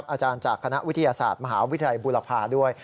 อาจารย์จากคณะวิทยาศาสตร์มหาวิทยาลัยบุรพาด้วย